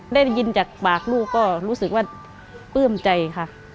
ได้ยินจากปากลูกก็รู้สึกว่าปลื้มใจค่ะ